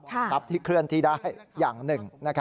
ทรัพย์ที่เคลื่อนที่ได้อย่างหนึ่ง